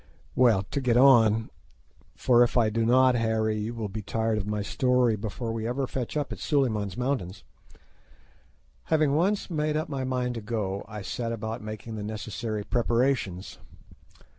Well, to get on—for if I do not, Harry, you will be tired of my story before ever we fetch up at Suliman's Mountains—having once made up my mind to go I set about making the necessary preparations.